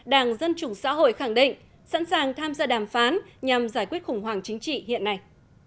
đảng dân chủ xã hội khẳng định sẵn sàng tham gia đàm phán nhằm giải quyết khủng hoảng chính trị hiện nay